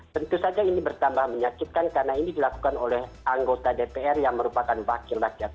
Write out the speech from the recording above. tentu saja ini bertambah menyakitkan karena ini dilakukan oleh anggota dpr yang merupakan wakil rakyat